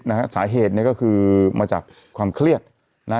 เสียชีวิตนะฮะสาเหตุเนี่ยก็คือมาจากความเครียดนะ